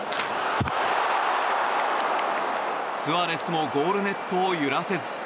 スアレスもゴールネットを揺らせず。